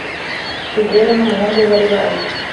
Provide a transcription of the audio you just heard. Rivera n’umuhungu we bari baje